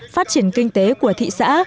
phát triển kinh tế của thị xã